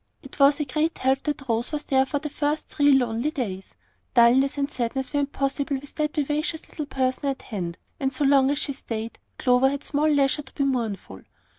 It was a great help that Rose was there for the first three lonely days. Dulness and sadness were impossible with that vivacious little person at hand; and so long as she stayed, Clover had small leisure to be mournful.